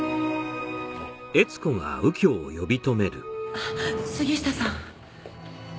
あっ杉下さん。